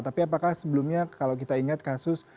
tapi apakah sebelumnya kalau kita ingat kasus